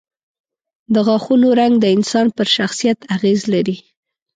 د غاښونو رنګ د انسان پر شخصیت اغېز لري.